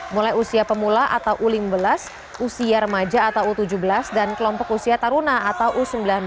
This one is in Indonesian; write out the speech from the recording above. mulai usia pemula atau u lima belas usia remaja atau u tujuh belas dan kelompok usia taruna atau u sembilan belas